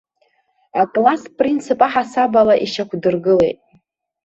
Акласстә принцип аҳасабала ишьақәдыргылеит.